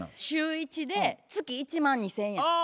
週１で月１万２，０００円。